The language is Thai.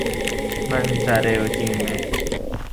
มันจะเร็วจริงแมะ